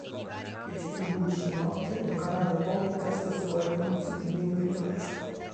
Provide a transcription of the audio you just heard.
Distribuisce inoltre un canale podcast su iTunes in lingua inglese.